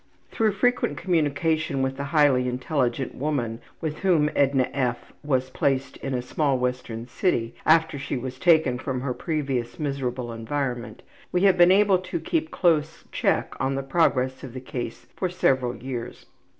Through frequent communication with the highly intelligent woman with whom Edna F. was placed in a small western city after she was taken from her previous miserable environment, we have been able to keep close check on the progress of the case for several years.